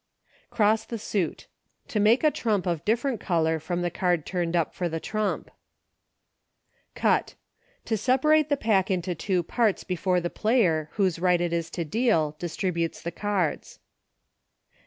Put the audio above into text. Cross the Suit. To make a l/ump of different color from the card turned up for the trump. Cut. To separate the pack into two parts before the player, whose right it m to deal, distributes the cards.